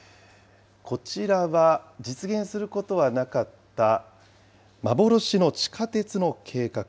こちらは実現することはなかった幻の地下鉄の計画。